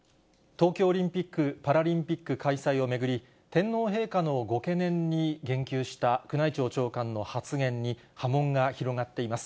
東京オリンピック・パラリンピック開催を巡り、天皇陛下のご懸念に言及した宮内庁長官の発言に波紋が広がっています。